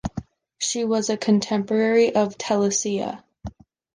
She was a contemporary of Telesilla.